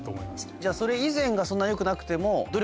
じゃあそれ以前がそんなよくなくても。